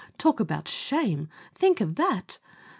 Talk about shame! Think of that!